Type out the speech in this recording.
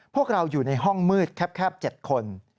พวกเราอยู่ในห้องมืดแคบ๗คน